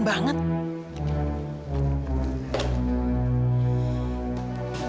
tidak sopan sekali